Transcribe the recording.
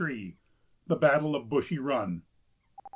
1763. THE BATTLE OF BUSHY RUN.